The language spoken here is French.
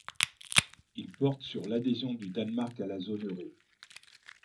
Il porte sur l'adhésion du Danemark à la zone euro.